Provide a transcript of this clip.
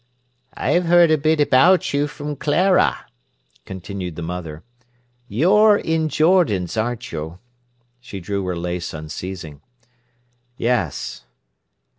"I've heard a bit about you from Clara," continued the mother. "You're in Jordan's, aren't you?" She drew her lace unceasing. "Yes."